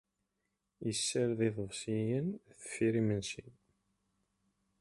Yessared iḍebsiyen sdeffir yimensi.